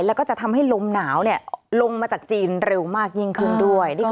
แล้วก็จะทำให้ลมหนาวลงมาจากจีนเร็วมากยิ่งขึ้นด้วย